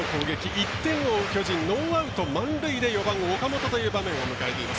１点追う巨人ノーアウト、満塁で４番、岡本という場面を迎えています。